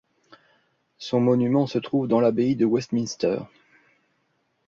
Son monument se trouve dans l'abbaye de Westminster.